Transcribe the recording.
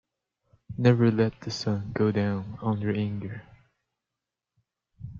Never let the sun go down on your anger.